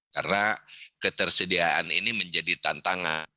karena ketersediaan ini menjadi tantangan